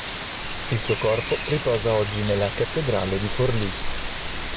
Il suo corpo riposa oggi nella Cattedrale di Forlì.